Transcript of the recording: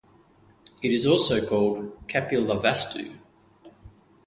It is also called Kapilavastu.